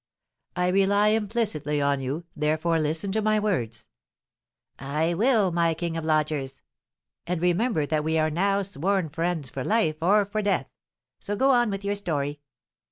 "I rely implicitly on you; therefore listen to my words." "I will, my king of lodgers; and remember that we are now sworn friends for life or for death. So go on with your story."